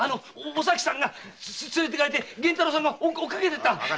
お咲さんが連れて行かれて源太郎さんが追いかけて行った。